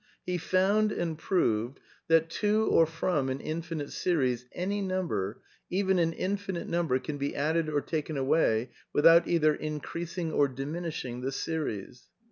He found, and proved, that to or from an infinite series any w number, even an infinite number, can be added or taken/\ away without either increasing or diminishing the series.